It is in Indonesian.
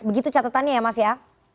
begitu catatannya ya mas ya